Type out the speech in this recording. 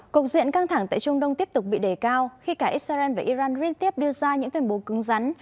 cục diện căng thẳng tại trung đông tiếp tục bị đề cao khi cả israel và iran riêng tiếp đưa ra những tuyên bố cứng rắn